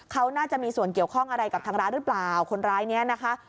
เขาน่าจะมีส่วนเกี่ยวข้องอะไรกับทางร้านหรือเปล่าคนร้ายเนี้ยนะคะ